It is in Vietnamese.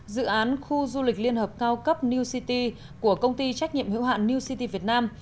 dự án khu du lịch liên hợp cao cấp new city của công ty trách nhiệm hữu hạn new ct việt nam